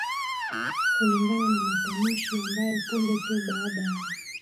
kulingana na matamushi ambayo punde tu baada ya